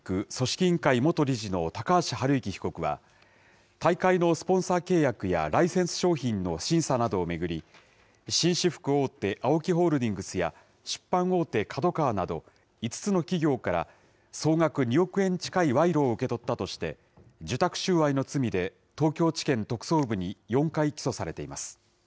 委員会元理事の高橋治之被告は、大会のスポンサー契約や、ライセンス商品の審査などを巡り、紳士服大手、ＡＯＫＩホールディングスや、出版大手、ＫＡＤＯＫＡＷＡなど５つの企業から総額２億円近い賄賂を受け取ったとして、受託収賄の罪で東京地検特捜部に４回起訴されています。